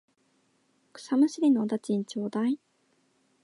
草むしりのお駄賃ちょうだい。